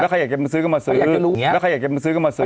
ใครอยากจะมาซื้อก็มาซื้อแล้วใครอยากจะมาซื้อก็มาซื้อ